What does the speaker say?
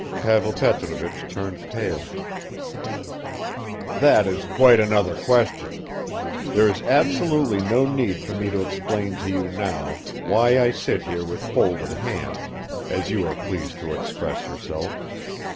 Pavel Petrovich turned pale. "That is quite another question. There is absolutely no need for me to explain to you now why I sit here with folded hands, as you are pleased to express yourself.